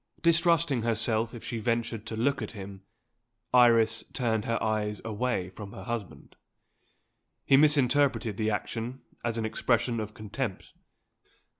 Distrusting herself if she ventured to look at him, Iris turned her eyes away from her husband. He misinterpreted the action as an expression of contempt.